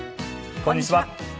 こんにちは。